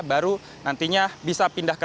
baru nantinya bisa pindah ke